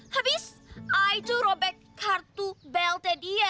habis itu saya robek kartu belnya dia